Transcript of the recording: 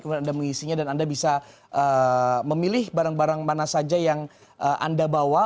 kemudian anda mengisinya dan anda bisa memilih barang barang mana saja yang anda bawa